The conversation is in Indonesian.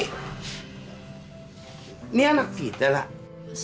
ini anak kita lah